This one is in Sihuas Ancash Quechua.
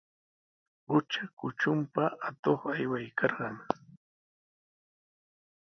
Qutra kutrunpa atuq aywaykarqan.